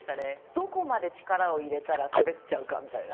どこまで力を入れたら滑っちゃうかみたいな。